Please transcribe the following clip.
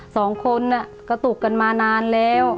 สองคนกระตุกกันมานานแล้ว